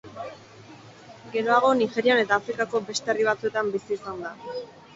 Geroago Nigerian eta Afrikako beste herri batzuetan bizi izan da.